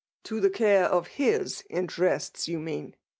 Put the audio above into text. " To the care of his interests, you mean.